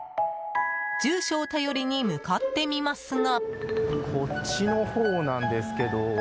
住所を頼りに向かってみますが。